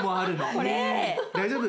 大丈夫？